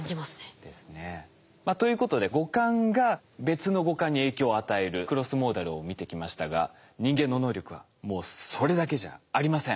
ですね。ということで五感が別の五感に影響を与えるクロスモーダルを見てきましたが人間の能力はもうそれだけじゃありません。